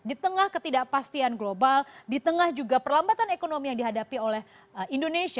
di tengah ketidakpastian global di tengah juga perlambatan ekonomi yang dihadapi oleh indonesia